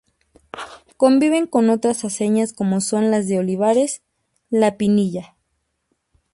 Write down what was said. Conviven con otras aceñas como son las de Olivares, la Pinilla.